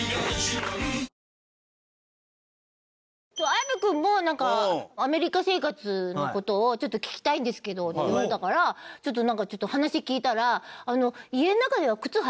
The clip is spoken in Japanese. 綾部君もなんか「アメリカ生活の事をちょっと聞きたいんですけど」って言われたからちょっと話聞いたら。